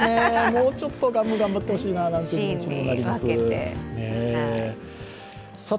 もうちょっと、ガム頑張ってほしいなという気持ちにもなります。